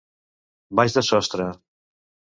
Baix de sostre.